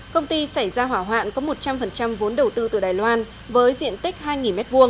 công ty xảy ra hỏa hoạn có một trăm linh vốn đầu tư từ đài loan với diện tích hai m hai